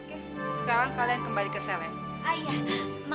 oke sekarang kalian kembali ke sel ya